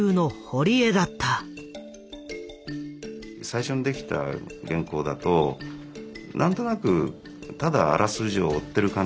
最初に出来た原稿だと何となくただあらすじを追ってる感じだった。